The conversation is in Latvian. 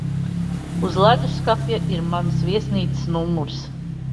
Uz ledusskapja ir manas viesnīcas numurs.